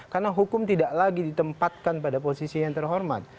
karena hukum tidak lagi ditempatkan pada posisi yang terhormat